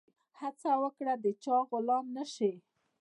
هڅه وکړه د چا غلام نه سي.